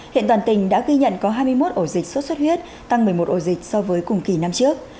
hiện toàn tỉnh đã ghi nhận có hai mươi một ổ dịch sốt xuất huyết tăng một mươi một ổ dịch so với cùng kỳ năm trước